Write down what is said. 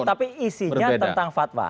tapi isinya tentang fatwa